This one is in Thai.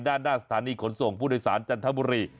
ด้านหน้าสถานีขนส่งผู้โดยสารจันทบุรี